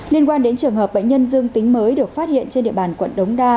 liên quan đến trường hợp bệnh nhân dương tính mới được phát hiện trên địa bàn quận đống đa